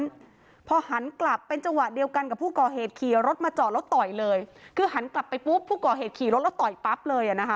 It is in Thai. คือหันกลับไปพรุ้บผู้ก่อเหตุขี่รถแล้วต่อยปั๊บเลย